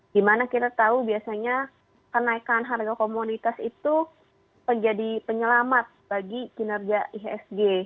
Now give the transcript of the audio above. dimana kita tahu biasanya kenaikan harga komoditas itu menjadi penyelamat bagi kinerja ihsg